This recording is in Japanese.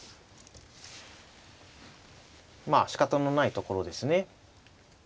まあしかたのないところですね。